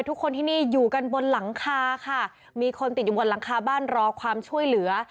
ทุกคนที่นี่อยู่กันบนหลังคาค่ะมีคนติดอยู่บนหลังคาบ้านรอความช่วยเหลือ